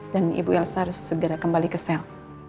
dan ibu elsa harus segera kembali ke sel